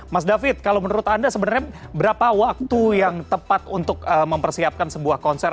mas david kalau menurut anda sebenarnya berapa waktu yang tepat untuk mempersiapkan sebuah konser